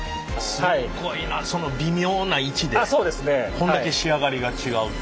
こんだけ仕上がりが違うって。